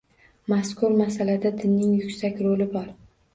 Mazkur masalada dinning yuksak roli bor